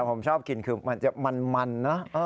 ผมชอบกินคือมันจะมันนะ